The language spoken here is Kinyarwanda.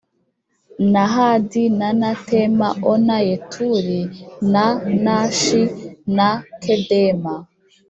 na Hadadi n na Tema o na Yeturi na Na shi na Kedema